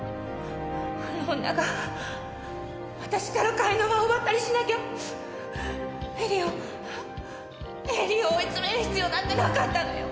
あの女が私から貝沼を奪ったりしなきゃ絵里を絵里を追い詰める必要なんてなかったのよ。